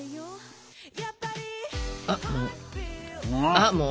ああもう。